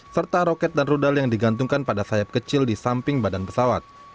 serta roket dan rudal yang digantungkan pada sayap kecil di samping badan pesawat